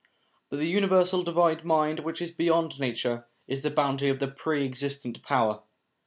But the universal divine mind which is beyond nature, is the bounty of the Pre existent Power.